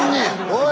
おい！